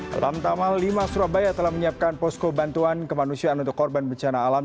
hai alam tamal lima surabaya telah menyiapkan posko bantuan kemanusiaan untuk korban bencana alam